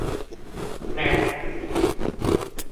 แมป